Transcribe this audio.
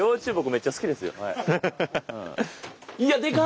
めっちゃ好きですよはい。